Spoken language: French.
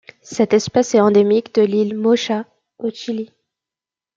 Cette espèce est endémique de l'île Mocha au Chili.